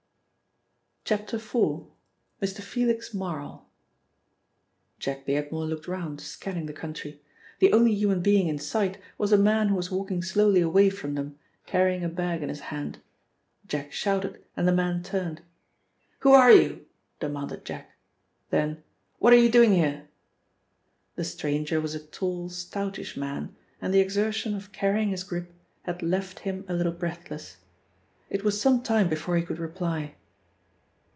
IV. — MR. FELIX MARL JACK BEARDMORE looked round, scanning the country. The only human being in sight was a man who was walking slowly away from them, carrying a bag in his hand. Jack shouted, and the man turned. "Who are you?" demanded Jack. Then, "What are you doing here?" The stranger was a tall, stoutish man, and the exertion of carrying his grip had left him a little breathless. It was some time before he could reply.